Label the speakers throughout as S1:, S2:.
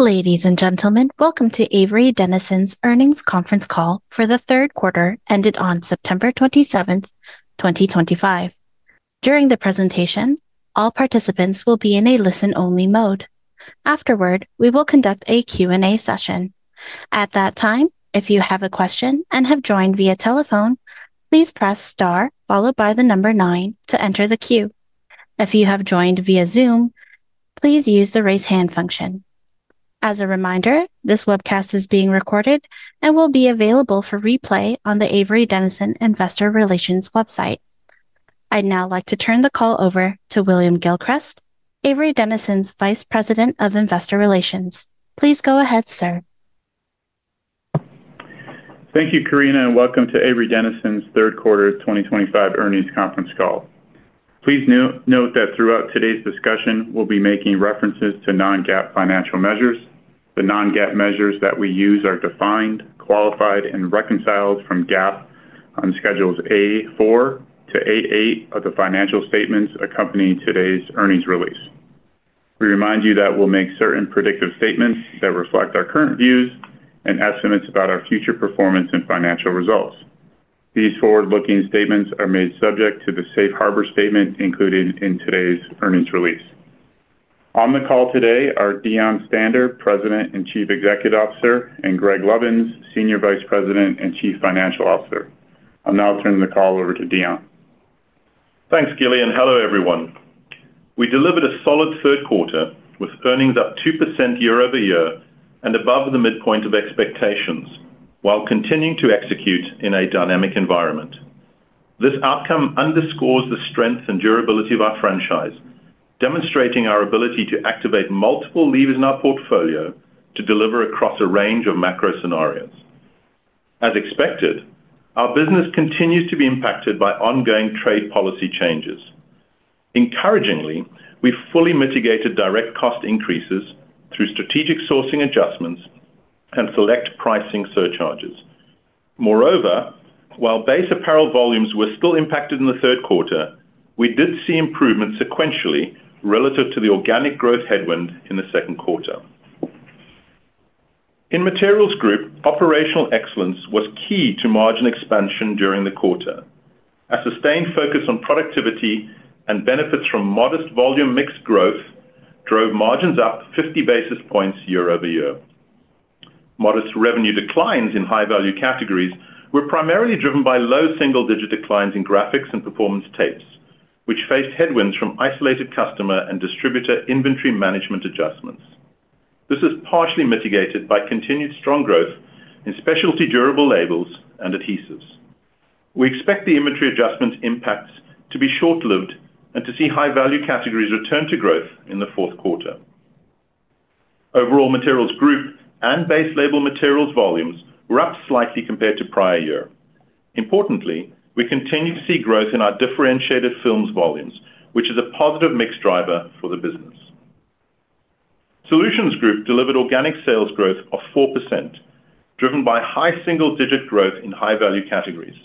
S1: Ladies and gentlemen, welcome to Avery Dennison's earnings conference call for the third quarter ended on September 27, 2025. During the presentation, all participants will be in a listen-only mode. Afterward, we will conduct a Q&A session. At that time, if you have a question and have joined via telephone, please press star followed by the number nine to enter the queue. If you have joined via Zoom, please use the raise hand function. As a reminder, this webcast is being recorded and will be available for replay on the Avery Dennison Investor Relations website. I'd now like to turn the call over to William Gilchrist, Avery Dennison's Vice President of Investor Relations. Please go ahead, sir.
S2: Thank you, Karina, and welcome to Avery Dennison's third quarter 2025 earnings conference call. Please note that throughout today's discussion, we'll be making references to non-GAAP financial measures. The non-GAAP measures that we use are defined, qualified, and reconciled from GAAP on Schedules A-4 to B-8 of the financial statements accompanying today's earnings release. We remind you that we'll make certain predictive statements that reflect our current views and estimates about our future performance and financial results. These forward-looking statements are made subject to the safe harbor statement included in today's earnings release. On the call today are Deon Stander, President and Chief Executive Officer, and Greg Lovins, Senior Vice President and Chief Financial Officer. I'll now turn the call over to Deon.
S3: Thanks, Gilly, and hello, everyone. We delivered a solid third quarter with earnings up 2% year over year and above the midpoint of expectations while continuing to execute in a dynamic environment. This outcome underscores the strength and durability of our franchise, demonstrating our ability to activate multiple levers in our portfolio to deliver across a range of macro scenarios. As expected, our business continues to be impacted by ongoing trade policy changes. Encouragingly, we fully mitigated direct cost increases through strategic sourcing adjustments and select pricing surcharges. Moreover, while base apparel volumes were still impacted in the third quarter, we did see improvements sequentially relative to the organic sales growth headwind in the second quarter. In Materials Group, operational excellence was key to margin expansion during the quarter. A sustained focus on productivity and benefits from modest volume mix growth drove margins up 50 basis points year over year. Modest revenue declines in high-value categories were primarily driven by low single-digit declines in Graphics and Reflectives and Performance Tapes, which faced headwinds from isolated customer and distributor inventory management adjustments. This is partially mitigated by continued strong growth in specialty durable labels and adhesives. We expect the inventory adjustment impacts to be short-lived and to see high-value categories return to growth in the fourth quarter. Overall, Materials Group and base Label Materials volumes were up slightly compared to prior year. Importantly, we continue to see growth in our differentiated films volumes, which is a positive mix driver for the business. Solutions Group delivered organic sales growth of 4%, driven by high single-digit growth in high-value categories.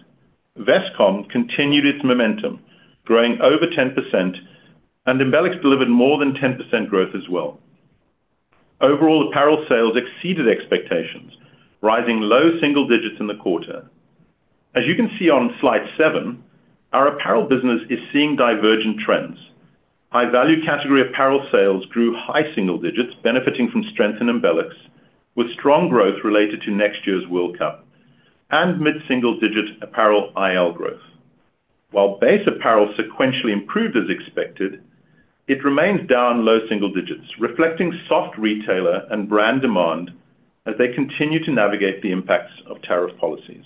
S3: Vestcom continued its momentum, growing over 10%, and Embelex delivered more than 10% growth as well. Overall, apparel sales exceeded expectations, rising low single digits in the quarter. As you can see on slide seven, our apparel business is seeing divergent trends. High-value category apparel sales grew high single digits, benefiting from strength in Embelex, with strong growth related to next year's World Cup and mid-single digit apparel Intelligent Labels growth. While base apparel sequentially improved as expected, it remains down low single digits, reflecting soft retailer and brand demand as they continue to navigate the impacts of tariff-related uncertainties.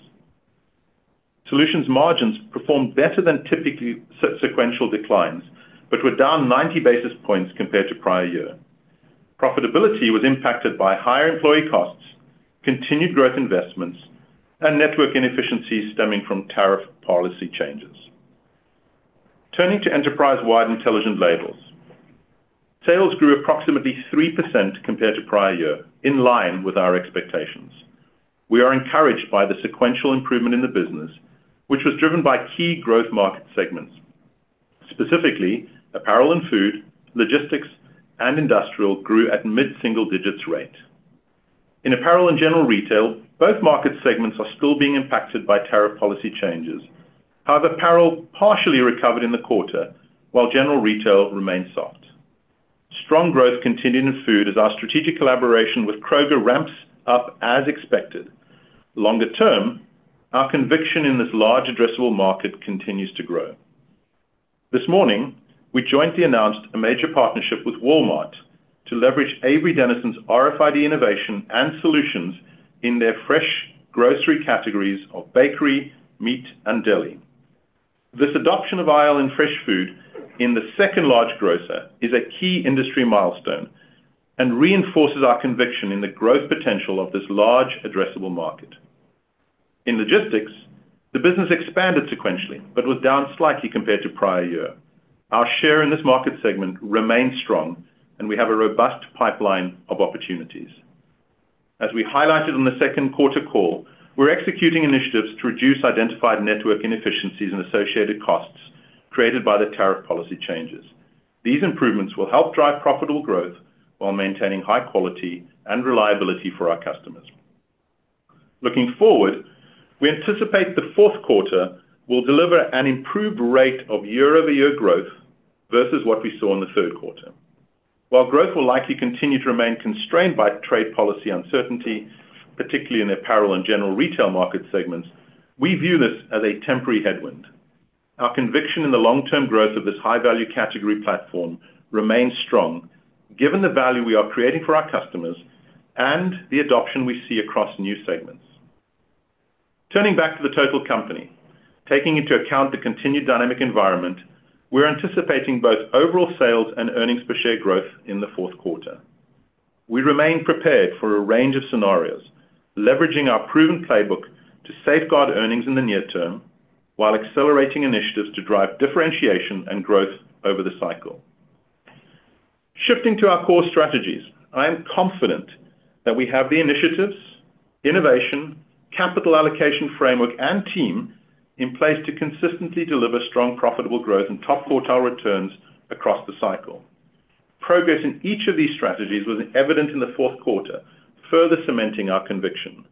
S3: Solutions margins performed better than typical sequential declines, but were down 90 basis points compared to prior year. Profitability was impacted by higher employee costs, continued growth investments, and network inefficiencies stemming from tariff policy changes. Turning to enterprise-wide Intelligent Labels, sales grew approximately 3% compared to prior year, in line with our expectations. We are encouraged by the sequential improvement in the business, which was driven by key growth market segments. Specifically, apparel and food, logistics, and industrial grew at mid-single digits rate. In apparel and general retail, both market segments are still being impacted by tariff policy changes. However, apparel partially recovered in the quarter, while general retail remains soft. Strong growth continued in food as our strategic collaboration with Kroger ramps up as expected. Longer term, our conviction in this large addressable market continues to grow. This morning, we jointly announced a major partnership with Walmart to leverage Avery Dennison's RFID innovation and solutions in their fresh grocery categories of bakery, meat, and deli. This adoption of IL in fresh food in the second large grocer is a key industry milestone and reinforces our conviction in the growth potential of this large addressable market. In logistics, the business expanded sequentially, but was down slightly compared to prior year. Our share in this market segment remains strong, and we have a robust pipeline of opportunities. As we highlighted on the second quarter call, we're executing initiatives to reduce identified network inefficiencies and associated costs created by the tariff policy changes. These improvements will help drive profitable growth while maintaining high quality and reliability for our customers. Looking forward, we anticipate the fourth quarter will deliver an improved rate of year-over-year growth versus what we saw in the third quarter. While growth will likely continue to remain constrained by trade policy uncertainty, particularly in the apparel and general retail market segments, we view this as a temporary headwind. Our conviction in the long-term growth of this high-value category platform remains strong, given the value we are creating for our customers and the adoption we see across new segments. Turning back to the total company, taking into account the continued dynamic environment, we're anticipating both overall sales and earnings per share growth in the fourth quarter. We remain prepared for a range of scenarios, leveraging our proven playbook to safeguard earnings in the near term while accelerating initiatives to drive differentiation and growth over the cycle. Shifting to our core strategies, I am confident that we have the initiatives, innovation, capital allocation framework, and team in place to consistently deliver strong profitable growth and top quartile returns across the cycle. Progress in each of these strategies was evident in the fourth quarter, further cementing our conviction.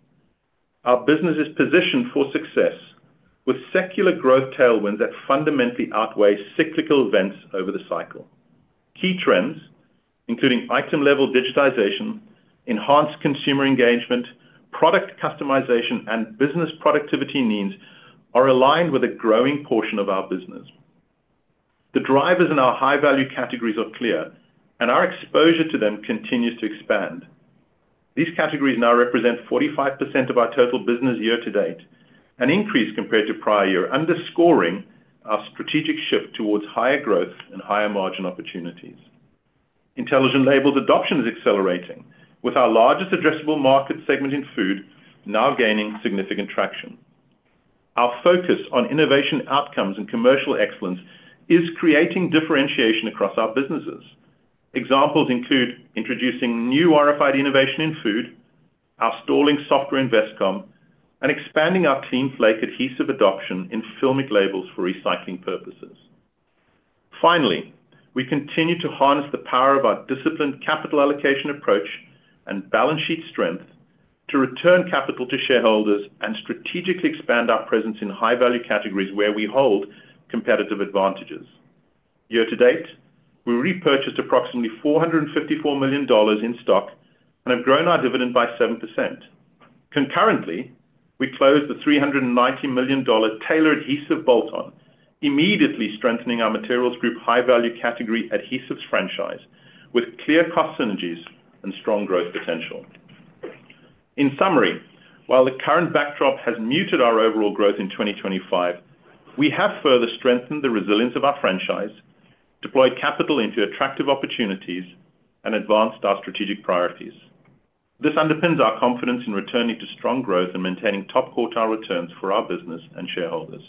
S3: Our business is positioned for success with secular growth tailwinds that fundamentally outweigh cyclical events over the cycle. Key trends, including item-level digitization, enhanced consumer engagement, product customization, and business productivity needs are aligned with a growing portion of our business. The drivers in our high-value categories are clear, and our exposure to them continues to expand. These categories now represent 45% of our total business year to date, an increase compared to prior year, underscoring our strategic shift towards higher growth and higher margin opportunities. Intelligent Labels adoption is accelerating, with our largest addressable market segment in food now gaining significant traction. Our focus on innovation outcomes and commercial excellence is creating differentiation across our businesses. Examples include introducing new RFID innovation in food, our stalling software in Vestcom, and expanding our CleanFlake adhesive adoption in filmic labels for recycling purposes. Finally, we continue to harness the power of our disciplined capital allocation approach and balance sheet strength to return capital to shareholders and strategically expand our presence in high-value categories where we hold competitive advantages. Year to date, we repurchased approximately $454 million in stock and have grown our dividend by 7%. Concurrently, we closed the $390 million Tailor Adhesives bolt-on, immediately strengthening our Materials Group high-value category adhesives franchise with clear cost synergies and strong growth potential. In summary, while the current backdrop has muted our overall growth in 2025, we have further strengthened the resilience of our franchise, deployed capital into attractive opportunities, and advanced our strategic priorities. This underpins our confidence in returning to strong growth and maintaining top quartile returns for our business and shareholders.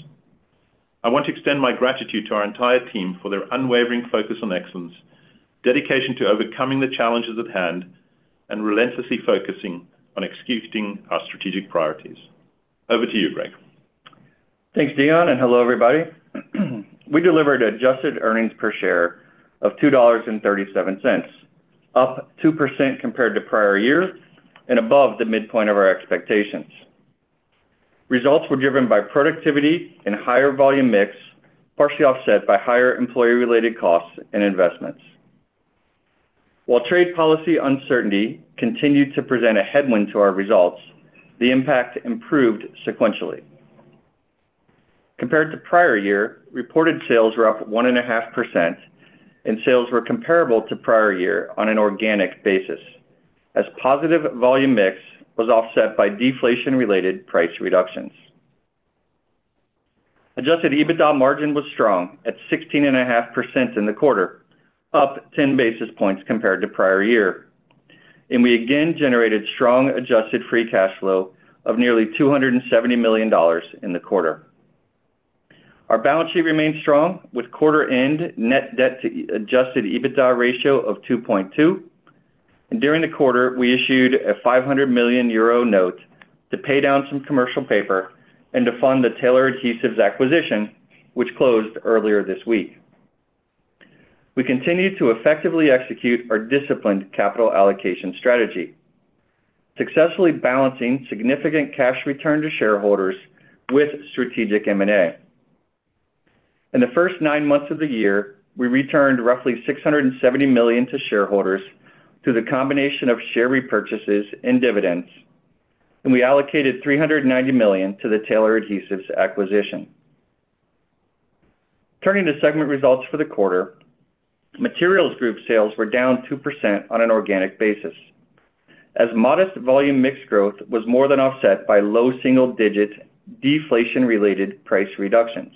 S3: I want to extend my gratitude to our entire team for their unwavering focus on excellence, dedication to overcoming the challenges at hand, and relentlessly focusing on executing our strategic priorities. Over to you, Greg.
S4: Thanks, Deon, and hello, everybody. We delivered adjusted earnings per share of $2.37, up 2% compared to prior year and above the midpoint of our expectations. Results were driven by productivity in higher volume mix, partially offset by higher employee-related costs and investments. While trade policy uncertainty continued to present a headwind to our results, the impact improved sequentially. Compared to prior year, reported sales were up 1.5%, and sales were comparable to prior year on an organic basis, as positive volume mix was offset by deflation-related price reductions. Adjusted EBITDA margin was strong at 16.5% in the quarter, up 10 basis points compared to prior year, and we again generated strong adjusted free cash flow of nearly $270 million in the quarter. Our balance sheet remained strong with quarter-end net debt to adjusted EBITDA ratio of 2.2, and during the quarter, we issued a €500 million note to pay down some commercial paper and to fund the Tailor Adhesives acquisition, which closed earlier this week. We continued to effectively execute our disciplined capital allocation strategy, successfully balancing significant cash return to shareholders with strategic M&A. In the first nine months of the year, we returned roughly $670 million to shareholders through the combination of share repurchases and dividends, and we allocated $390 million to the Tailor Adhesives acquisition. Turning to segment results for the quarter, Materials Group sales were down 2% on an organic basis, as modest volume mix growth was more than offset by low single-digit deflation-related price reductions.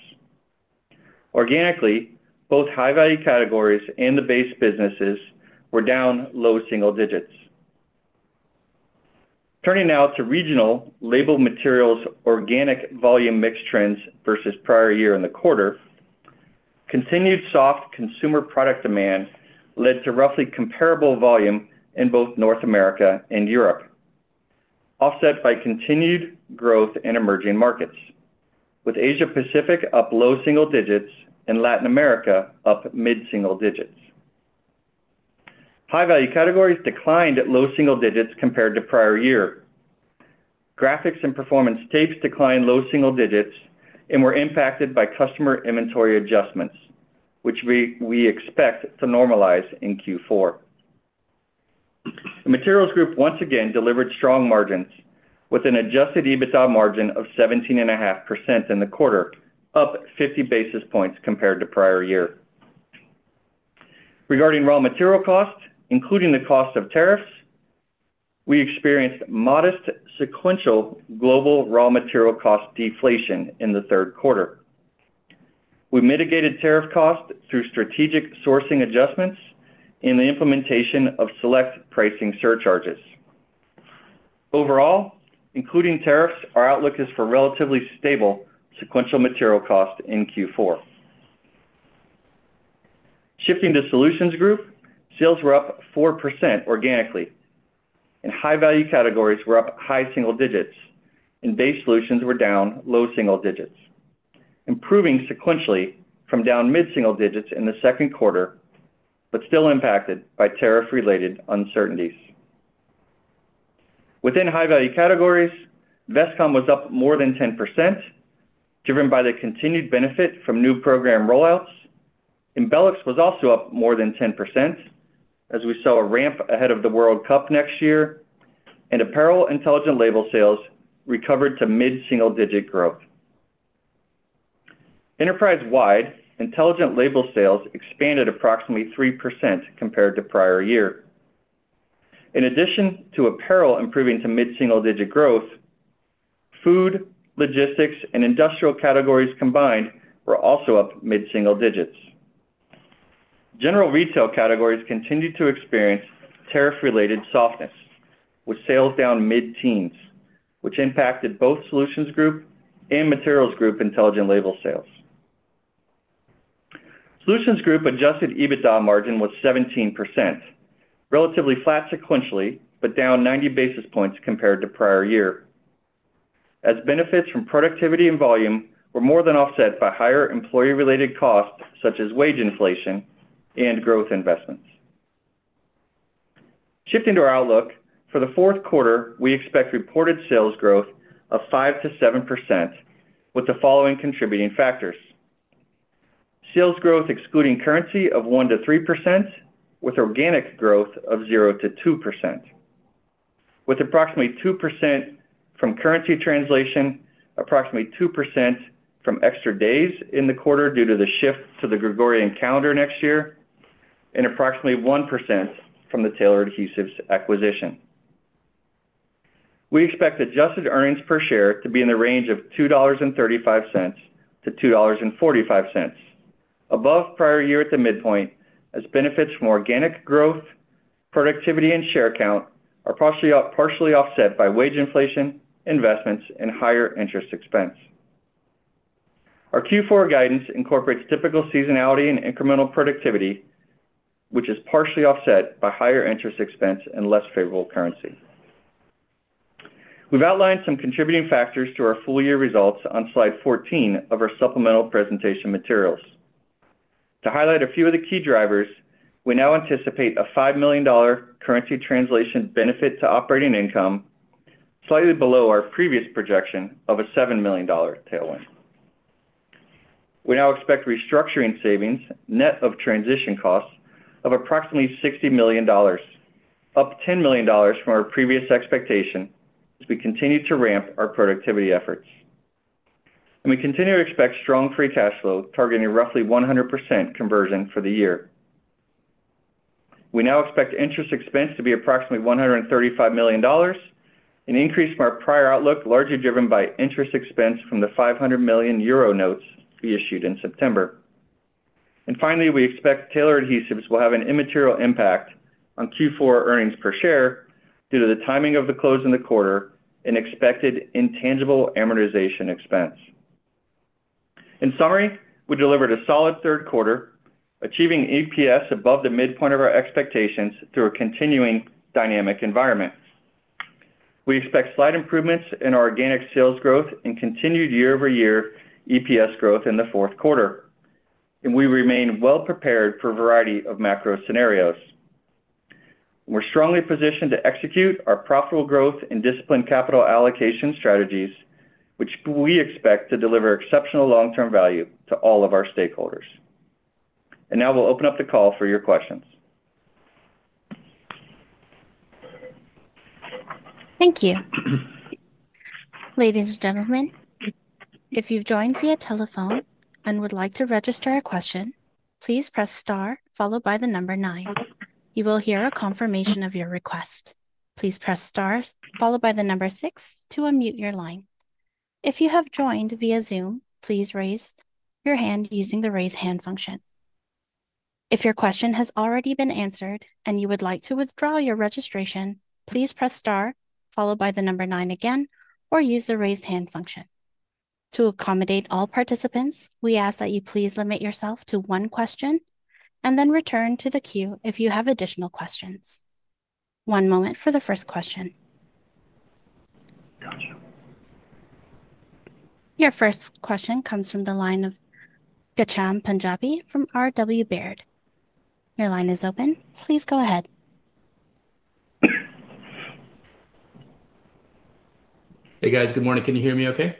S4: Organically, both high-value categories and the base businesses were down low single digits. Turning now to regional Label Materials organic volume mix trends versus prior year in the quarter, continued soft consumer product demand led to roughly comparable volume in both North America and Europe, offset by continued growth in emerging markets, with Asia-Pacific up low single digits and Latin America up mid-single digits. High-value categories declined at low single digits compared to prior year. Graphics and Performance Tapes declined low single digits and were impacted by customer inventory adjustments, which we expect to normalize in Q4. The Materials Group once again delivered strong margins with an adjusted EBITDA margin of 17.5% in the quarter, up 50 basis points compared to prior year. Regarding raw material costs, including the cost of tariffs, we experienced modest sequential global raw material cost deflation in the third quarter. We mitigated tariff costs through strategic sourcing adjustments and the implementation of select pricing surcharges. Overall, including tariffs, our outlook is for relatively stable sequential material cost in Q4. Shifting to Solutions Group, sales were up 4% organically, and high-value categories were up high single digits, and base solutions were down low single digits, improving sequentially from down mid-single digits in the second quarter, but still impacted by tariff-related uncertainties. Within high-value categories, Vestcom was up more than 10%, driven by the continued benefit from new program rollouts. Embelex was also up more than 10%, as we saw a ramp ahead of the World Cup next year, and apparel Intelligent Labels sales recovered to mid-single digit growth. Enterprise-wide, Intelligent Labels sales expanded approximately 3% compared to prior year. In addition to apparel improving to mid-single digit growth, food, logistics, and industrial categories combined were also up mid-single digits. General retail categories continued to experience tariff-related softness, with sales down mid-teens, which impacted both Solutions Group and Materials Group Intelligent Labels sales. Solutions Group adjusted EBITDA margin was 17%, relatively flat sequentially, but down 90 basis points compared to prior year, as benefits from productivity and volume were more than offset by higher employee-related costs, such as wage inflation and growth investments. Shifting to our outlook for the fourth quarter, we expect reported sales growth of 5% to 7%, with the following contributing factors: sales growth excluding currency of 1% to 3%, with organic growth of 0% to 2%, with approximately 2% from currency translation, approximately 2% from extra days in the quarter due to the shift to the Gregorian calendar next year, and approximately 1% from the Tailor Adhesives acquisition. We expect adjusted earnings per share to be in the range of $2.35 to $2.45, above prior year at the midpoint, as benefits from organic growth, productivity, and share count are partially offset by wage inflation, investments, and higher interest expense. Our Q4 guidance incorporates typical seasonality and incremental productivity, which is partially offset by higher interest expense and less favorable currency. We've outlined some contributing factors to our full-year results on slide 14 of our supplemental presentation materials. To highlight a few of the key drivers, we now anticipate a $5 million currency translation benefit to operating income, slightly below our previous projection of a $7 million tailwind. We now expect restructuring savings net of transition costs of approximately $60 million, up $10 million from our previous expectation as we continue to ramp our productivity efforts. We continue to expect strong free cash flow, targeting roughly 100% conversion for the year. We now expect interest expense to be approximately $135 million, an increase from our prior outlook, largely driven by interest expense from the €500 million notes we issued in September. We expect Tailor Adhesives will have an immaterial impact on Q4 EPS due to the timing of the close in the quarter and expected intangible amortization expense. In summary, we delivered a solid third quarter, achieving EPS above the midpoint of our expectations through a continuing dynamic environment. We expect slight improvements in our organic sales growth and continued year-over-year EPS growth in the fourth quarter, and we remain well prepared for a variety of macro scenarios. We're strongly positioned to execute our profitable growth and disciplined capital allocation strategies, which we expect to deliver exceptional long-term value to all of our stakeholders. Now we'll open up the call for your questions.
S1: Thank you. Ladies and gentlemen, if you've joined via telephone and would like to register a question, please press star followed by the number nine. You will hear a confirmation of your request. Please press star followed by the number six to unmute your line. If you have joined via Zoom, please raise your hand using the raise hand function. If your question has already been answered and you would like to withdraw your registration, please press star followed by the number nine again or use the raise hand function. To accommodate all participants, we ask that you please limit yourself to one question and then return to the queue if you have additional questions. One moment for the first question. Gotcha. Your first question comes from the line of Gacham Punjabi from R.W. Baird. Your line is open. Please go ahead. Hey, guys, good morning. Can you hear me okay?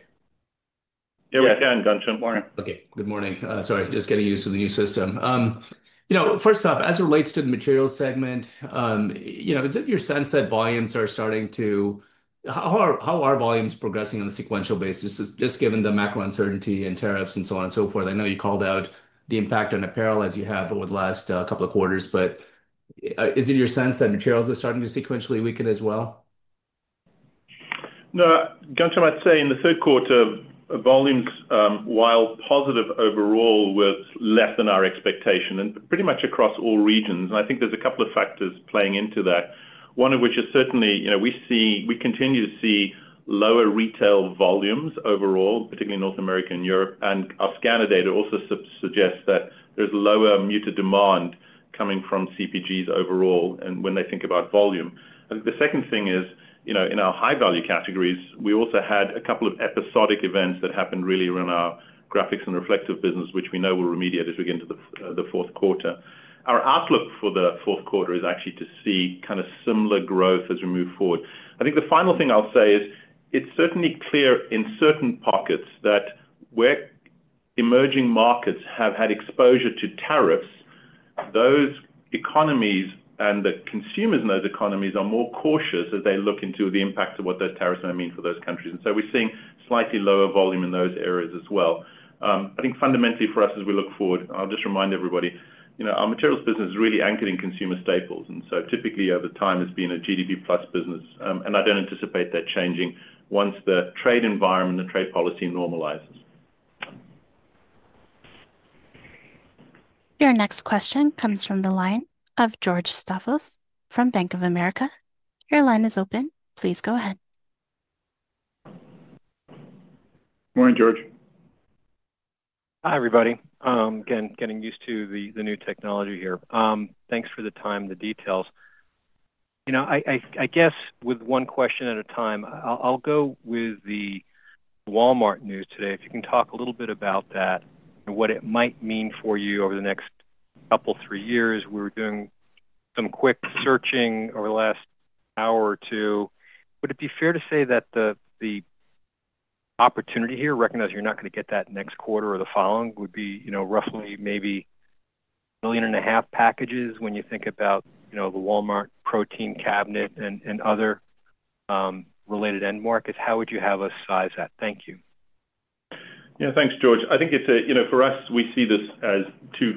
S2: Yeah, we can. Good morning. Okay, good morning. Sorry, just getting used to the new system. First off, as it relates to the Materials segment, is it your sense that volumes are starting to, how are volumes progressing on a sequential basis, just given the macro uncertainty and tariffs and so on and so forth? I know you called out the impact on apparel as you have over the last couple of quarters, but is it your sense that Materials are starting to sequentially weaken as well?
S3: No, Gacham, I'd say in the third quarter, volumes, while positive overall, were less than our expectation and pretty much across all regions. I think there's a couple of factors playing into that, one of which is certainly, you know, we continue to see lower retail volumes overall, particularly in North America and Europe. Our scanner data also suggests that there's lower muted demand coming from CPGs overall and when they think about volume. I think the second thing is, you know, in our high-value categories, we also had a couple of episodic events that happened really around our Graphics and Reflectives business, which we know will remediate as we get into the fourth quarter. Our outlook for the fourth quarter is actually to see kind of similar growth as we move forward. I think the final thing I'll say is it's certainly clear in certain pockets that where emerging markets have had exposure to tariffs, those economies and the consumers in those economies are more cautious as they look into the impacts of what those tariffs are going to mean for those countries. We're seeing slightly lower volume in those areas as well. I think fundamentally for us as we look forward, I'll just remind everybody, you know, our materials business is really anchored in consumer staples. Typically over time, it's been a GDP plus business, and I don't anticipate that changing once the trade environment and the trade policy normalizes.
S1: Your next question comes from the line of George Stavos from Bank of America. Your line is open. Please go ahead. Morning, George. Hi, everybody. Again, getting used to the new technology here. Thanks for the time, the details. I guess with one question at a time, I'll go with the Walmart news today. If you can talk a little bit about that and what it might mean for you over the next couple, three years. We were doing some quick searching over the last hour or two. Would it be fair to say that the opportunity here, recognizing you're not going to get that next quarter or the following, would be, you know, roughly maybe $1.5 million packages when you think about, you know, the Walmart protein cabinet and other related end markets? How would you have us size that? Thank you.
S3: Yeah, thanks, George. I think it's a, you know, for us, we see this as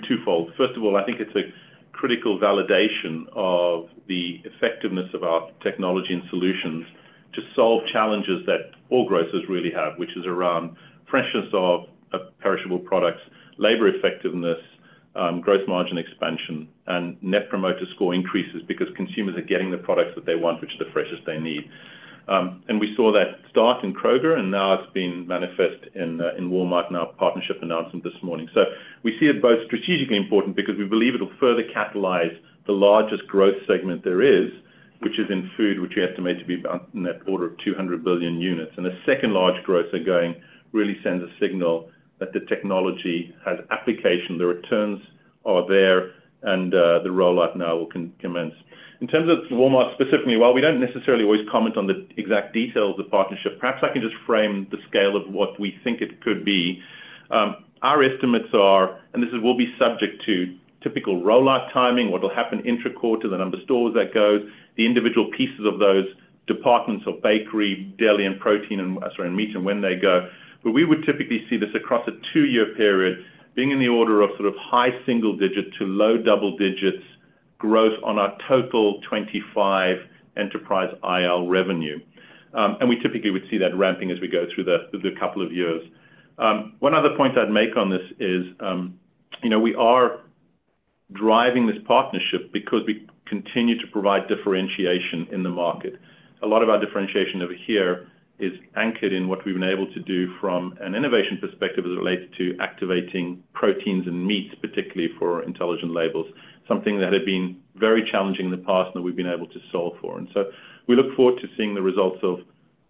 S3: twofold. First of all, I think it's a critical validation of the effectiveness of our technology and solutions to solve challenges that all grocers really have, which is around freshness of perishable products, labor effectiveness, gross margin expansion, and net promoter score increases because consumers are getting the products that they want, which are the freshest they need. We saw that start in Kroger, and now it's been manifest in Walmart in our partnership announcement this morning. We see it both strategically important because we believe it'll further catalyze the largest growth segment there is, which is in food, which we estimate to be about in that order of 200 billion units. The second large growth they're going really sends a signal that the technology has application, the returns are there, and the rollout now will commence. In terms of Walmart specifically, while we don't necessarily always comment on the exact details of the partnership, perhaps I can just frame the scale of what we think it could be. Our estimates are, and this will be subject to typical rollout timing, what will happen intra-quarter, the number of stores that goes, the individual pieces of those departments of bakery, deli, and protein, and sorry, and meat, and when they go. We would typically see this across a two-year period being in the order of sort of high single digit to low double digits growth on our total 2025 enterprise Intelligent Labels revenue. We typically would see that ramping as we go through the couple of years. One other point I'd make on this is, you know, we are driving this partnership because we continue to provide differentiation in the market. A lot of our differentiation over here is anchored in what we've been able to do from an innovation perspective as it relates to activating proteins and meats, particularly for Intelligent Labels, something that had been very challenging in the past and that we've been able to solve for. We look forward to seeing the results of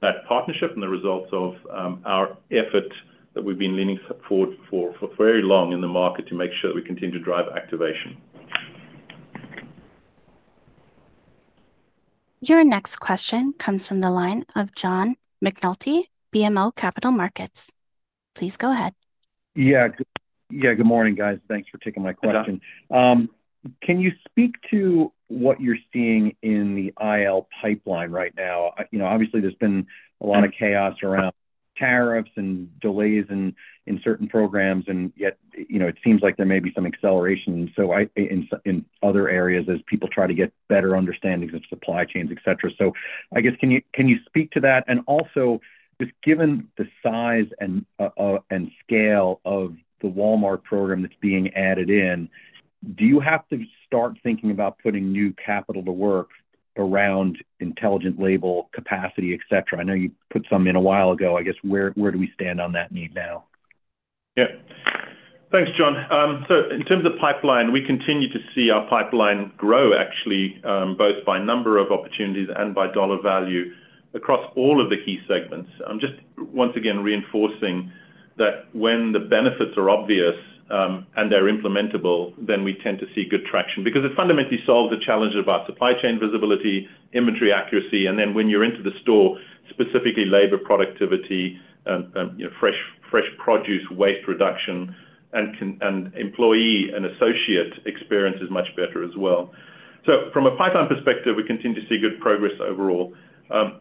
S3: that partnership and the results of our effort that we've been leaning forward for very long in the market to make sure that we continue to drive activation.
S1: Your next question comes from the line of John McNulty, BMO Capital Markets. Please go ahead. Yeah, good morning, guys. Thanks for taking my question. Can you speak to what you're seeing in the IL pipeline right now? Obviously, there's been a lot of chaos around tariffs and delays in certain programs, yet it seems like there may be some acceleration in other areas as people try to get better understandings of supply chains, etc. I guess, can you speak to that? Also, just given the size and scale of the Walmart program that's being added in, do you have to start thinking about putting new capital to work around Intelligent Labels capacity, etc.? I know you put some in a while ago. I guess, where do we stand on that need now?
S3: Yeah, thanks, John. In terms of pipeline, we continue to see our pipeline grow, actually, both by number of opportunities and by dollar value across all of the key segments. I'm just once again reinforcing that when the benefits are obvious and they're implementable, we tend to see good traction because it fundamentally solves the challenges of our supply chain visibility, inventory accuracy, and then when you're into the store, specifically labor productivity and fresh produce waste reduction, and employee and associate experience is much better as well. From a pipeline perspective, we continue to see good progress overall.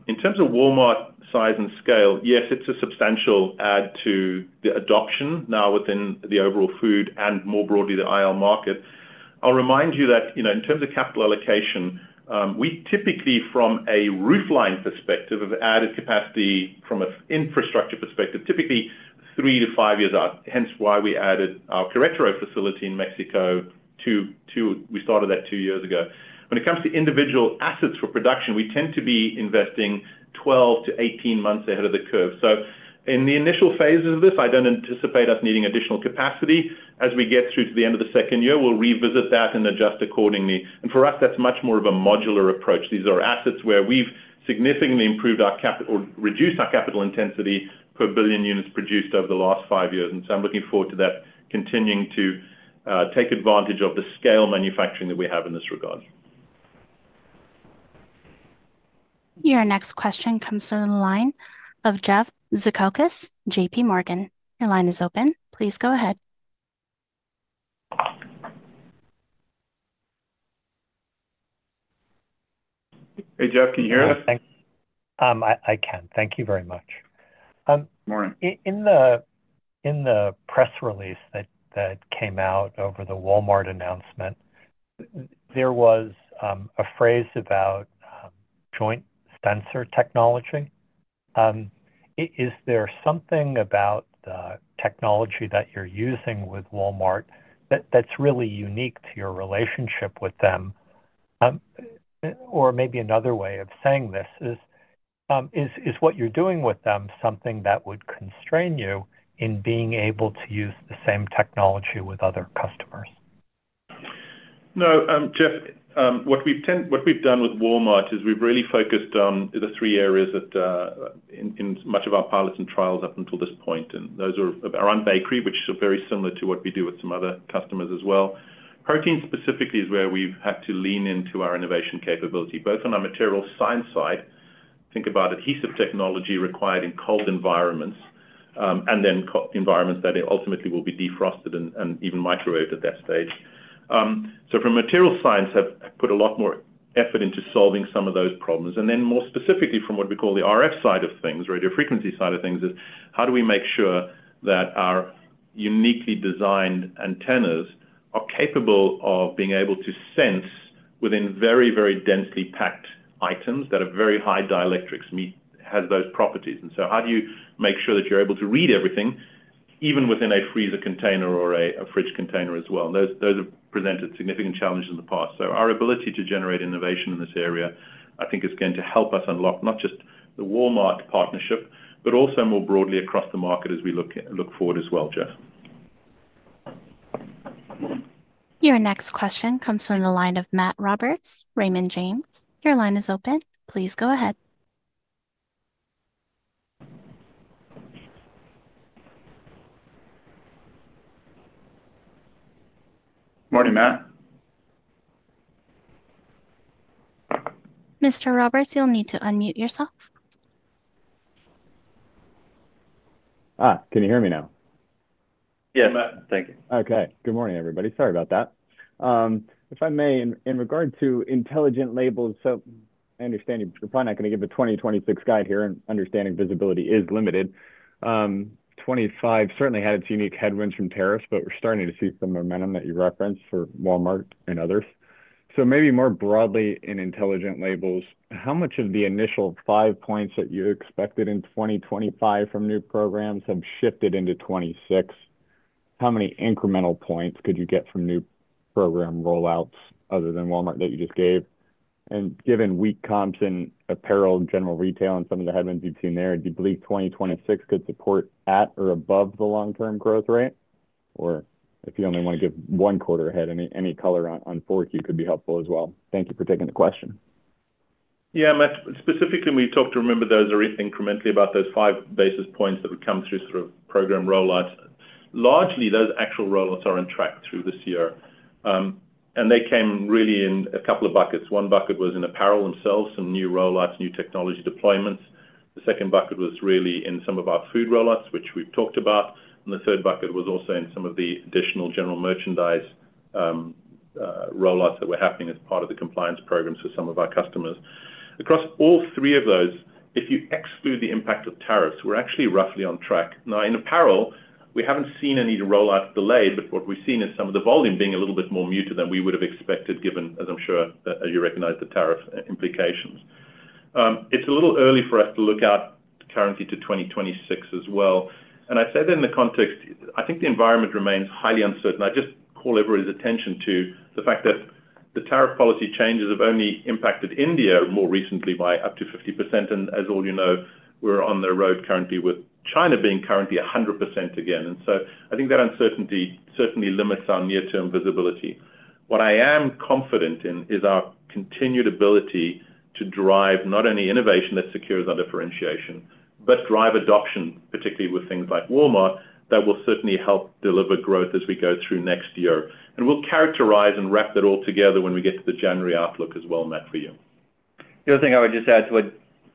S3: In terms of Walmart size and scale, yes, it's a substantial add to the adoption now within the overall food and more broadly the IL market. I'll remind you that, you know, in terms of capital allocation, we typically, from a roofline perspective of added capacity from an infrastructure perspective, typically three to five years out, hence why we added our Querétaro facility in Mexico. We started that two years ago. When it comes to individual assets for production, we tend to be investing 12 to 18 months ahead of the curve. In the initial phases of this, I don't anticipate us needing additional capacity. As we get through to the end of the second year, we'll revisit that and adjust accordingly. For us, that's much more of a modular approach. These are assets where we've significantly improved our capital or reduced our capital intensity per billion units produced over the last five years. I'm looking forward to that continuing to take advantage of the scale manufacturing that we have in this regard.
S1: Your next question comes from the line of Jeff Tryka at J.P. Morgan. Your line is open. Please go ahead.
S2: Hey, Jeff, can you hear us? I can, thank you very much. Morning. In the press release that came out over the Walmart announcement, there was a phrase about joint sensor technology. Is there something about the technology that you're using with Walmart that's really unique to your relationship with them? Or maybe another way of saying this is, is what you're doing with them something that would constrain you in being able to use the same technology with other customers?
S3: No, Jeff, what we've done with Walmart is we've really focused on the three areas in much of our pilots and trials up until this point. Those are around bakery, which is very similar to what we do with some other customers as well. Protein specifically is where we've had to lean into our innovation capability, both on our material science side. Think about adhesive technology required in cold environments and then environments that ultimately will be defrosted and even microwaved at that stage. From material science, I've put a lot more effort into solving some of those problems. More specifically, from what we call the RF side of things, radio frequency side of things, is how do we make sure that our uniquely designed antennas are capable of being able to sense within very, very densely packed items that are very high dielectrics, meat has those properties. How do you make sure that you're able to read everything, even within a freezer container or a fridge container as well? Those have presented significant challenges in the past. Our ability to generate innovation in this area, I think, is going to help us unlock not just the Walmart partnership, but also more broadly across the market as we look forward as well, Jeff.
S1: Your next question comes from the line of Matt Roberts at Raymond James. Your line is open. Please go ahead.
S2: Morning, Matt.
S1: Mr. Roberts, you'll need to unmute yourself.
S2: Can you hear me now? Yes, Matt. Thank you. Okay. Good morning, everybody. Sorry about that. If I may, in regard to Intelligent Labels, I understand you're probably not going to give a 2026 guide here, and understanding visibility is limited. 2025 certainly had its unique headwinds from tariffs, but we're starting to see some momentum that you referenced for Walmart and others. More broadly in Intelligent Labels, how much of the initial 5% that you expected in 2025 from new programs have shifted into 2026? How many incremental points could you get from new program rollouts other than Walmart that you just gave? Given weak comps in apparel, general retail, and some of the headwinds you've seen there, do you believe 2026 could support at or above the long-term growth rate? If you only want to give one quarter ahead, any color on forward view could be helpful as well. Thank you for taking the question.
S3: Yeah, Matt. Specifically, when we talk to remember those incrementally about those five basis points that would come through sort of program rollouts, largely those actual rollouts are on track through this year. They came really in a couple of buckets. One bucket was in apparel themselves, some new rollouts, new technology deployments. The second bucket was really in some of our food rollouts, which we've talked about. The third bucket was also in some of the additional general merchandise rollouts that were happening as part of the compliance programs for some of our customers. Across all three of those, if you exclude the impact of tariffs, we're actually roughly on track. Now, in apparel, we haven't seen any rollout delayed, but what we've seen is some of the volume being a little bit more muted than we would have expected, given, as I'm sure you recognize, the tariff implications. It's a little early for us to look out currently to 2026 as well. I'd say that in the context, I think the environment remains highly uncertain. I'd just call everybody's attention to the fact that the tariff policy changes have only impacted India more recently by up to 50%. As all you know, we're on the road currently with China being currently 100% again. I think that uncertainty certainly limits our near-term visibility. What I am confident in is our continued ability to drive not only innovation that secures our differentiation, but drive adoption, particularly with things like Walmart that will certainly help deliver growth as we go through next year. We'll characterize and wrap that all together when we get to the January outlook as well, Matt, for you.
S4: The other thing I would just add to what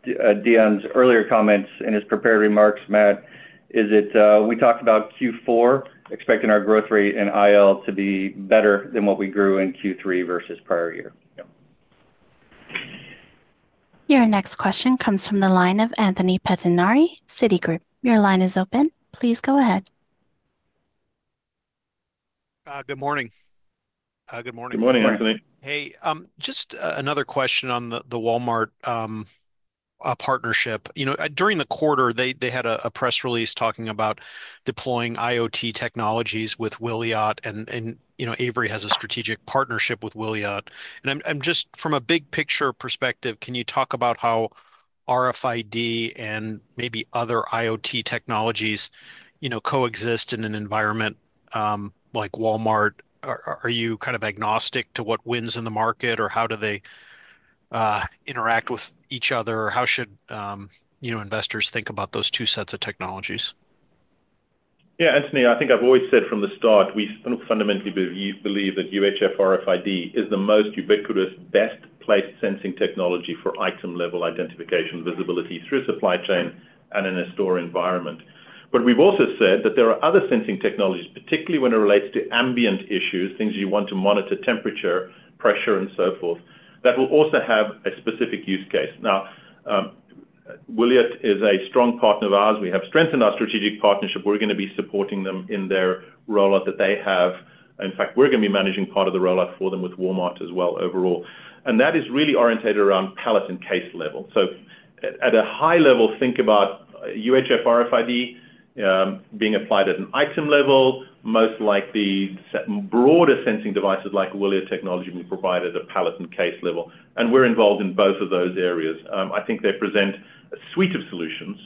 S4: Deon Stander's earlier comments in his prepared remarks, Matt, is that we talked about Q4 expecting our growth rate in IL to be better than what we grew in Q3 versus prior year.
S1: Your next question comes from the line of Anthony Petinari at Citigroup. Your line is open. Please go ahead. Good morning. Good morning.
S2: Good morning, Anthony. Hey, just another question on the Walmart partnership. During the quarter, they had a press release talking about deploying IoT technologies with Wiliot, and you know, Avery Dennison has a strategic partnership with Wiliot. I'm just, from a big picture perspective, can you talk about how RFID and maybe other IoT technologies coexist in an environment like Walmart? Are you kind of agnostic to what wins in the market, or how do they interact with each other? How should investors think about those two sets of technologies?
S3: Yeah, Anthony, I think I've always said from the start, we fundamentally believe that UHF RFID is the most ubiquitous, best-placed sensing technology for item-level identification visibility through supply chain and in a store environment. We've also said that there are other sensing technologies, particularly when it relates to ambient issues, things you want to monitor, temperature, pressure, and so forth, that will also have a specific use case. Now, Wiliot is a strong partner of ours. We have strengthened our strategic partnership. We're going to be supporting them in their rollout that they have. In fact, we're going to be managing part of the rollout for them with Walmart as well overall. That is really orientated around pallet and case level. At a high level, think about UHF RFID being applied at an item level, most likely broader sensing devices like Wiliot technology being provided at a pallet and case level. We're involved in both of those areas. I think they present a suite of solutions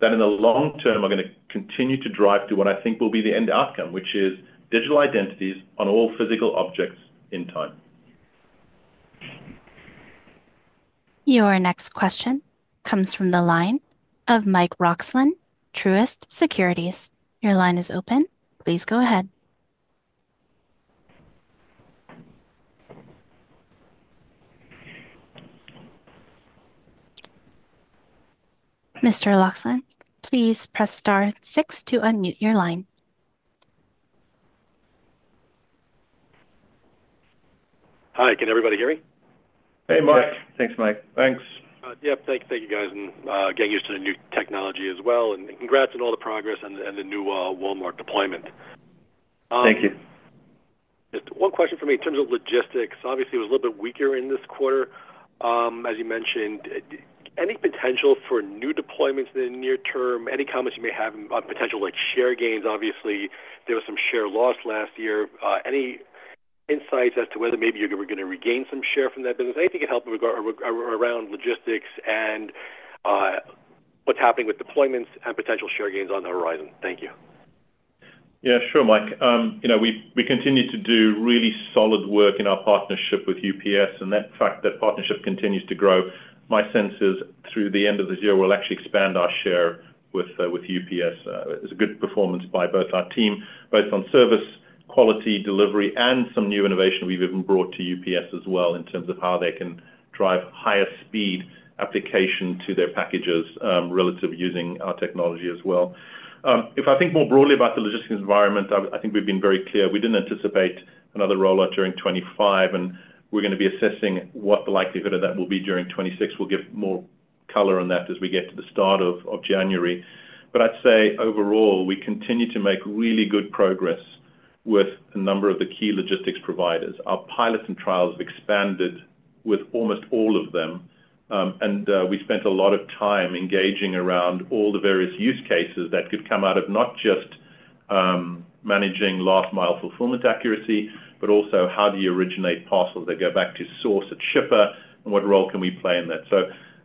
S3: that in the long term are going to continue to drive to what I think will be the end outcome, which is digital identities on all physical objects in time.
S1: Your next question comes from the line of Mike Roxlin at Truist Securities. Your line is open. Please go ahead. Mr. Roxlin, please press star six to unmute your line. Hi, can everybody hear me?
S2: Hey, Mike. Thanks, Mike. Thanks. Thank you, guys, getting used to the new technology as well. Congrats on all the progress and the new Walmart deployment. Thank you. Just one question for me in terms of logistics. Obviously, it was a little bit weaker in this quarter, as you mentioned. Any potential for new deployments in the near term? Any comments you may have on potential share gains? Obviously, there was some share loss last year. Any insights as to whether maybe you are going to regain some share from that business? Anything you could help with around logistics and what's happening with deployments and potential share gains on the horizon? Thank you.
S3: Yeah, sure, Mike. We continue to do really solid work in our partnership with UPS, and the fact that partnership continues to grow. My sense is through the end of this year, we'll actually expand our share with UPS. It's a good performance by both our team, both on service, quality, delivery, and some new innovation we've even brought to UPS as well in terms of how they can drive higher speed application to their packages relative to using our technology as well. If I think more broadly about the logistics environment, I think we've been very clear. We didn't anticipate another rollout during 2025, and we're going to be assessing what the likelihood of that will be during 2026. We'll give more color on that as we get to the start of January. I would say overall, we continue to make really good progress with a number of the key logistics providers. Our pilots and trials have expanded with almost all of them. We spent a lot of time engaging around all the various use cases that could come out of not just managing last mile fulfillment accuracy, but also how do you originate parcels that go back to source at shipper and what role can we play in that?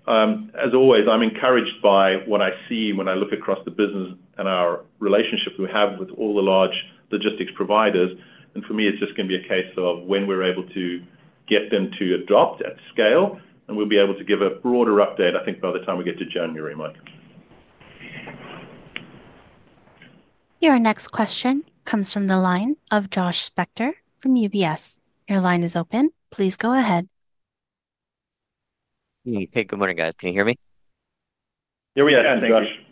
S3: As always, I'm encouraged by what I see when I look across the business and our relationship we have with all the large logistics providers. For me, it's just going to be a case of when we're able to get them to adopt at scale, and we'll be able to give a broader update, I think, by the time we get to January, Mike.
S1: Your next question comes from the line of Josh Spector from UBS. Your line is open. Please go ahead. Hey, good morning, guys. Can you hear me?
S2: Yeah, we are. Thanks, Josh.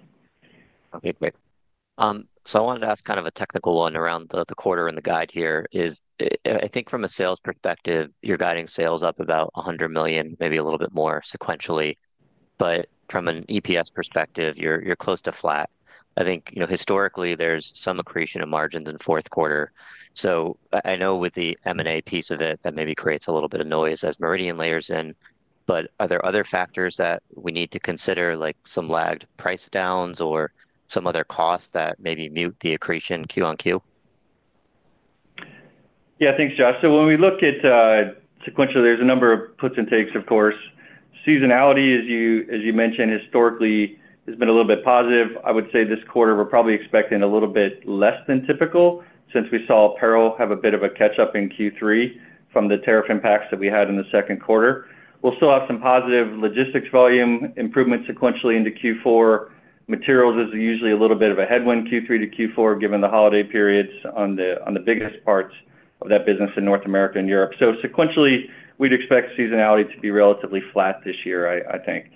S2: Okay, great. I wanted to ask kind of a technical one around the quarter and the guide here. I think from a sales perspective, you're guiding sales up about $100 million, maybe a little bit more sequentially. From an EPS perspective, you're close to flat. I think, you know, historically, there's some accretion of margins in the fourth quarter. I know with the M&A piece of it, that maybe creates a little bit of noise as Meridian layers in. Are there other factors that we need to consider, like some lagged price downs or some other costs that maybe mute the accretion quarter on quarter?
S4: Yeah, thanks, Josh. When we look at sequentially, there's a number of puts and takes, of course. Seasonality, as you mentioned, historically has been a little bit positive. I would say this quarter, we're probably expecting a little bit less than typical since we saw apparel have a bit of a catch-up in Q3 from the tariff impacts that we had in the second quarter. We'll still have some positive logistics volume improvements sequentially into Q4. Materials is usually a little bit of a headwind Q3 to Q4, given the holiday periods on the biggest parts of that business in North America and Europe. Sequentially, we'd expect seasonality to be relatively flat this year, I think.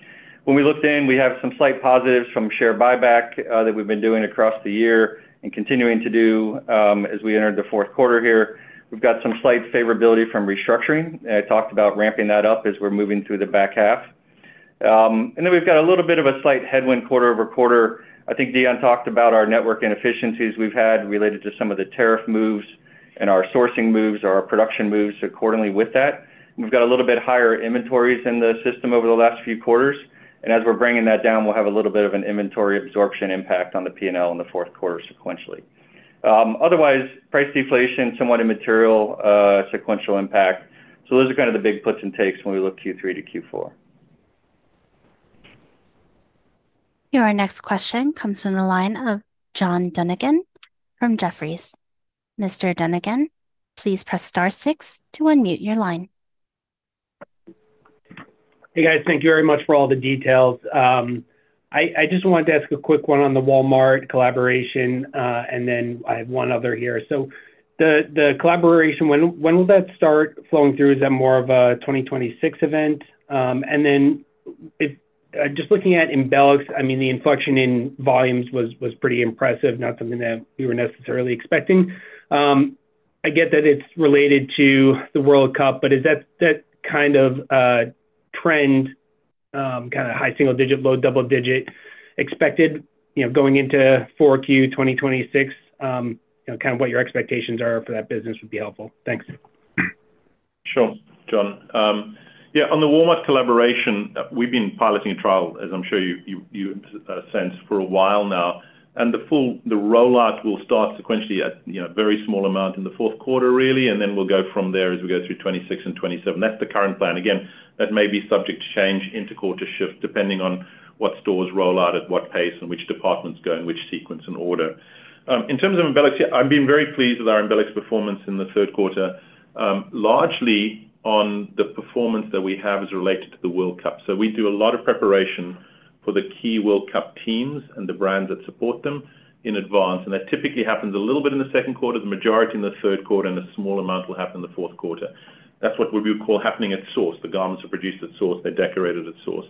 S4: When we looked in, we have some slight positives from share buyback that we've been doing across the year and continuing to do as we enter the fourth quarter here. We've got some slight favorability from restructuring, and I talked about ramping that up as we're moving through the back half. We've got a little bit of a slight headwind quarter over quarter. I think Deon talked about our network inefficiencies we've had related to some of the tariff moves and our sourcing moves or our production moves accordingly with that. We've got a little bit higher inventories in the system over the last few quarters. As we're bringing that down, we'll have a little bit of an inventory absorption impact on the P&L in the fourth quarter sequentially. Otherwise, price deflation, somewhat immaterial sequential impact. Those are kind of the big puts and takes when we look Q3 to Q4.
S1: Your next question comes from the line of John Dunnigan from Jefferies. Mr. Dunnigan, please press star six to unmute your line. Hey, guys, thank you very much for all the details. I just wanted to ask a quick one on the Walmart collaboration, and then I have one other here. The collaboration, when will that start flowing through? Is that more of a 2026 event? Just looking at Embelex, I mean, the inflection in volumes was pretty impressive, not something that we were necessarily expecting. I get that it's related to the World Cup, but is that kind of a trend, kind of high single digit, low double digit expected, you know, going into 4Q 2026? You know, kind of what your expectations are for that business would be helpful. Thanks.
S3: Sure, John. Yeah, on the Walmart collaboration, we've been piloting a trial, as I'm sure you sense, for a while now. The full rollout will start sequentially at a very small amount in the fourth quarter, really, and then we'll go from there as we go through 2026 and 2027. That's the current plan. Again, that may be subject to change, interquarter shift, depending on what stores roll out at what pace and which departments go in which sequence and order. In terms of Embelex, yeah, I've been very pleased with our Embelex performance in the third quarter, largely on the performance that we have as it relates to the World Cup. We do a lot of preparation for the key World Cup teams and the brands that support them in advance. That typically happens a little bit in the second quarter, the majority in the third quarter, and a small amount will happen in the fourth quarter. That's what we would call happening at source. The garments are produced at source, they're decorated at source.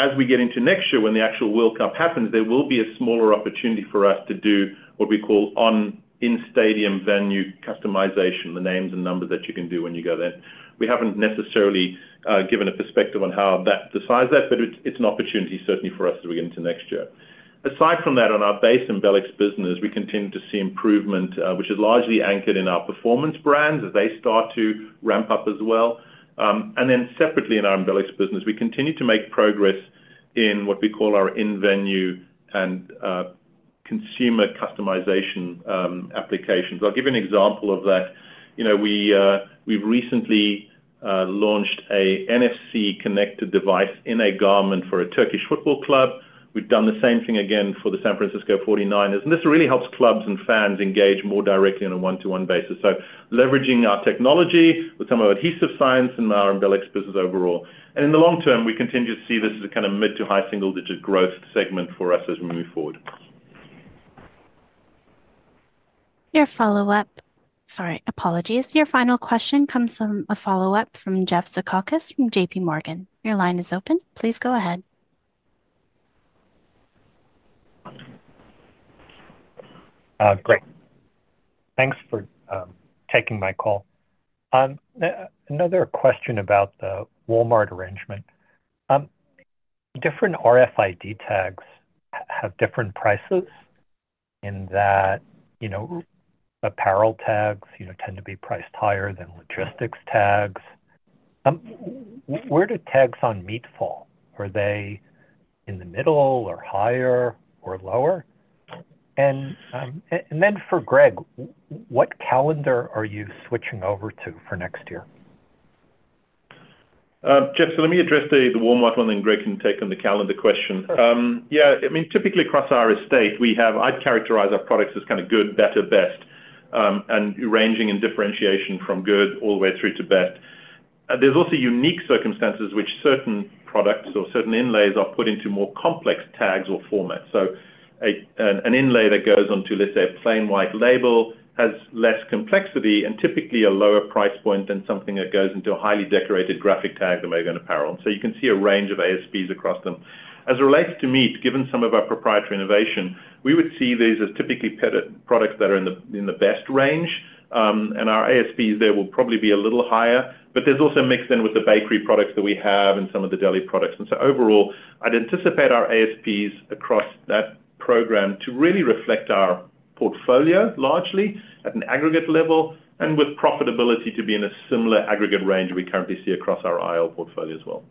S3: As we get into next year, when the actual World Cup happens, there will be a smaller opportunity for us to do what we call on in-stadium venue customization, the names and numbers that you can do when you go then. We haven't necessarily given a perspective on how that decides that, but it's an opportunity certainly for us as we get into next year. Aside from that, on our base Embelex business, we continue to see improvement, which is largely anchored in our performance brands as they start to ramp up as well. Separately, in our Embelex business, we continue to make progress in what we call our in-venue and consumer customization applications. I'll give you an example of that. We've recently launched an NFC-connected device in a garment for a Turkish football club. We've done the same thing again for the San Francisco 49ers. This really helps clubs and fans engage more directly on a one-to-one basis, leveraging our technology with some of our adhesive science and our Embelex business overall. In the long term, we continue to see this as a kind of mid to high single-digit growth segment for us as we move forward.
S1: Your final question comes from a follow-up from Jeff Tryka from J.P. Morgan. Your line is open. Please go ahead. Great. Thanks for taking my call. Another question about the Walmart arrangement. Different RFID tags have different prices in that, you know, apparel tags, you know, tend to be priced higher than logistics tags. Where do tags on meat fall? Are they in the middle or higher or lower? For Greg, what calendar are you switching over to for next year?
S3: Jeff, let me address the Walmart one and then Greg can take on the calendar question. Typically across our estate, I'd characterize our products as kind of good, better, best, and ranging in differentiation from good all the way through to best. There are also unique circumstances in which certain products or certain inlays are put into more complex tags or formats. An inlay that goes onto, let's say, a plain white label has less complexity and typically a lower price point than something that goes into a highly decorated graphic tag that may go into apparel. You can see a range of ASPs across them. As it relates to meat, given some of our proprietary innovation, we would see these as typically products that are in the best range. Our ASPs there will probably be a little higher, but there's also a mix in with the bakery products that we have and some of the deli products. Overall, I'd anticipate our ASPs across that program to really reflect our portfolio largely at an aggregate level, with profitability to be in a similar aggregate range we currently see across our IL portfolio as well.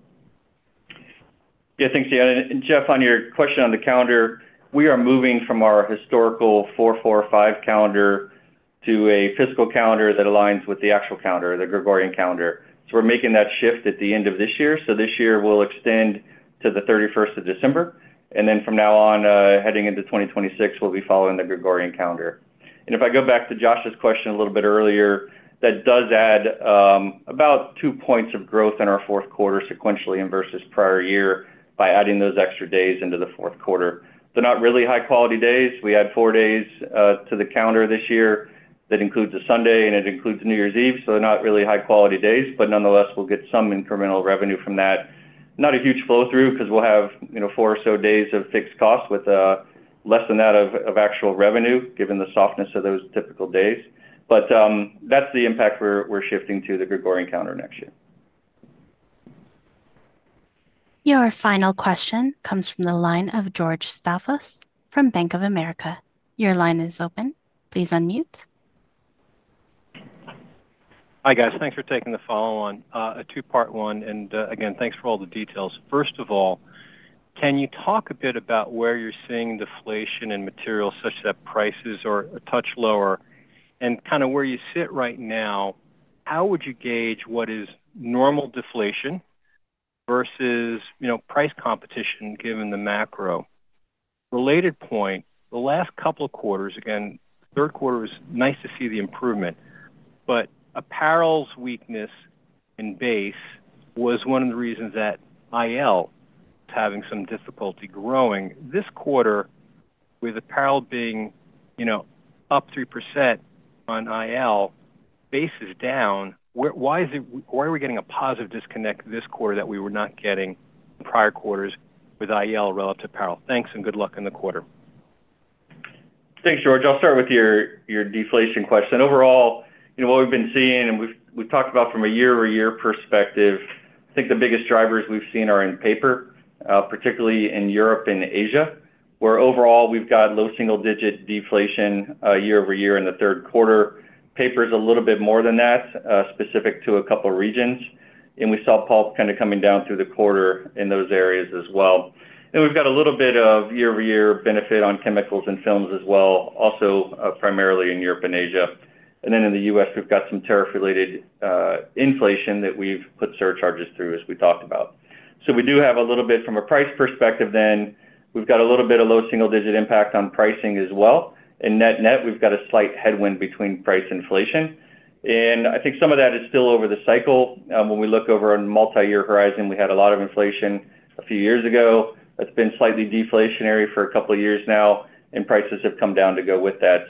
S4: Yeah, thanks, Deon. Jeff, on your question on the calendar, we are moving from our historical 4-4-5 calendar to a fiscal calendar that aligns with the actual calendar, the Gregorian calendar. We are making that shift at the end of this year. This year, we'll extend to the 31st of December, and from now on, heading into 2026, we'll be following the Gregorian calendar. If I go back to Josh's question a little bit earlier, that does add about 2 points of growth in our fourth quarter sequentially versus prior year by adding those extra days into the fourth quarter. They're not really high-quality days. We add 4 days to the calendar this year that includes a Sunday and it includes New Year's Eve. They're not really high-quality days, but nonetheless, we'll get some incremental revenue from that. Not a huge flow-through because we'll have, you know, 4 or so days of fixed costs with less than that of actual revenue, given the softness of those typical days. That's the impact. We're shifting to the Gregorian calendar next year.
S1: Your final question comes from the line of George Stavos from Bank of America. Your line is open. Please unmute. Hi, guys. Thanks for taking the follow-on, a two-part one. Thanks for all the details. First of all, can you talk a bit about where you're seeing deflation in materials such that prices are a touch lower? Where you sit right now, how would you gauge what is normal deflation versus, you know, price competition given the macro? Related point, the last couple of quarters, third quarter was nice to see the improvement, but apparel's weakness in base was one of the reasons that IL was having some difficulty growing. This quarter, with apparel being up 3% on IL, base is down. Why is it, why are we getting a positive disconnect this quarter that we were not getting in prior quarters with IL relative to apparel? Thanks and good luck in the quarter.
S4: Thanks, George. I'll start with your deflation question. Overall, what we've been seeing and we've talked about from a year-over-year perspective, I think the biggest drivers we've seen are in paper, particularly in Europe and Asia, where overall we've got low single-digit deflation year-over-year in the third quarter. Paper is a little bit more than that, specific to a couple of regions. We saw pulp kind of coming down through the quarter in those areas as well. We've got a little bit of year-over-year benefit on chemicals and films as well, also primarily in Europe and Asia. In the U.S., we've got some tariff-related inflation that we've put surcharges through, as we talked about. We do have a little bit from a price perspective, then we've got a little bit of low single-digit impact on pricing as well. Net-net, we've got a slight headwind between price inflation. I think some of that is still over the cycle. When we look over a multi-year horizon, we had a lot of inflation a few years ago. It's been slightly deflationary for a couple of years now, and prices have come down to go with that.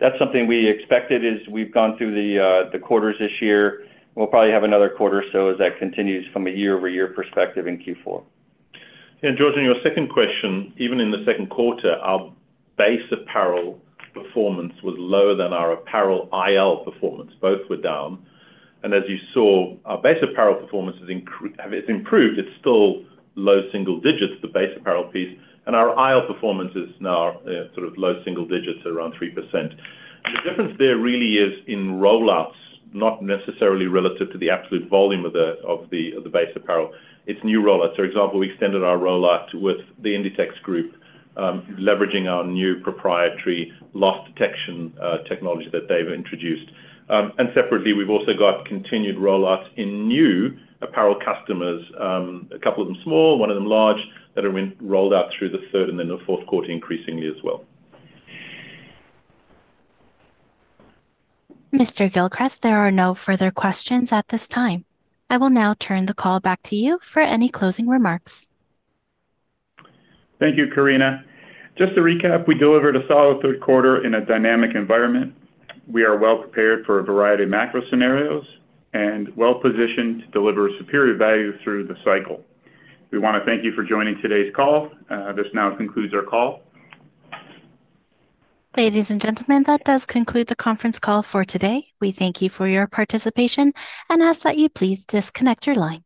S4: That's something we expected as we've gone through the quarters this year. We'll probably have another quarter or so as that continues from a year-over-year perspective in Q4.
S3: Yeah, George, on your second question, even in the second quarter, our base apparel performance was lower than our apparel IL performance. Both were down. As you saw, our base apparel performance has improved. It's still low single digits, the base apparel piece. Our IL performance is now sort of low single digits, around 3%. The difference there really is in rollouts, not necessarily relative to the absolute volume of the base apparel. It's new rollouts. For example, we extended our rollout with the Inditex group, leveraging our new proprietary loss detection technology that they've introduced. Separately, we've also got continued rollouts in new apparel customers, a couple of them small, one of them large, that have been rolled out through the third and then the fourth quarter increasingly as well.
S1: Mr. Gilchrist, there are no further questions at this time. I will now turn the call back to you for any closing remarks.
S2: Thank you, Karina. Just to recap, we delivered a solid third quarter in a dynamic environment. We are well prepared for a variety of macro scenarios and well positioned to deliver superior value through the cycle. We want to thank you for joining today's call. This now concludes our call.
S1: Ladies and gentlemen, that does conclude the conference call for today. We thank you for your participation and ask that you please disconnect your line.